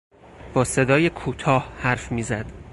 با صدای کوتاه حرف میزد.